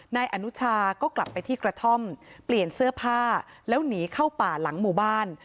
นายอนุชาก็กลับไปที่กระท่อมเปลี่ยนเสื้อผ้าแล้วหนีเข้าป่าหลังหมู่บ้าน